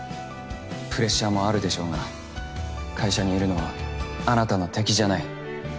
プレッシャーもあるでしょうが会社にいるのはあなたの敵じゃない。